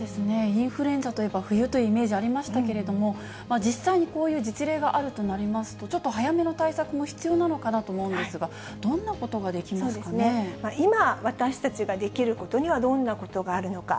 インフルエンザといえば、冬というイメージありましたけれども、実際にこういう実例があるとなりますと、ちょっと早めの対策も必要なのかなと思うんですが、どんなことが今、私たちができることにはどんなことがあるのか。